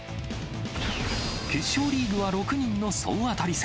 決勝リーグは、６人の総当たり戦。